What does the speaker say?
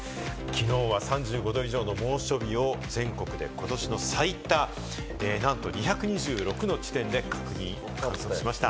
きのうは３５度以上の猛暑日を全国でことしの最多、なんと２２６の地点で確認しました。